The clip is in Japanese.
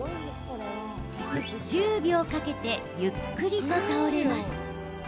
１０秒かけてゆっくりと倒れます。